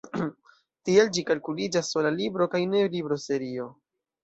Tial ĝi kalkuliĝas sola libro kaj ne libroserio.